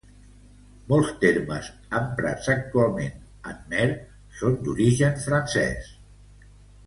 Molts termes emprats actualment en khmer són d'origen francès.